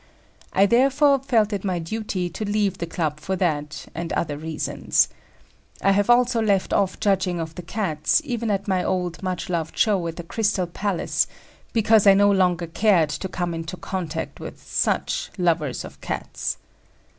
I therefore felt it my duty to leave the club for that and other reasons. I have also left off judging of the Cats, even at my old much loved show at the Crystal Palace, because I no longer cared to come into contact with such "Lovers of Cats."